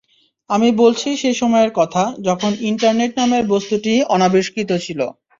আমি বলছি সেই সময়ের কথা, যখন ইন্টারনেট নামের বস্তুটি অনাবিষ্কৃত ছিল।